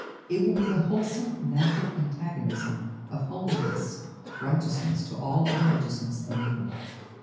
It will be the wholesome, natural antagonism of holiness and righteousness to all unrighteousness and evil.